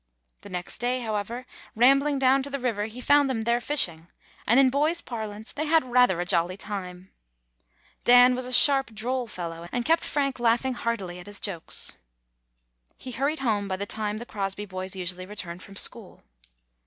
The next day, however, rambling down to the river, he found them there fishing, and, in boy's par lance, they had rather a jolly time. Dan was [ 100 ] GONE ASTRAY a sharp, droll fellow, and kept Frank laughing heartily at his jokes. He hurried home by the time the Crosby boys usually returned from school.